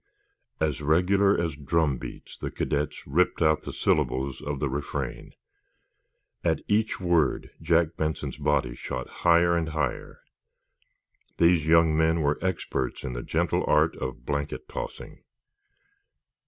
As regular as drumbeats the cadets ripped out the syllables of the refrain. At each word Jack Benson's body shot higher and higher. These young men were experts in the gentle art of blanket tossing.